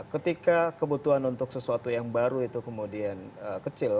ketika kebutuhan untuk sesuatu yang baru itu kemudian kecil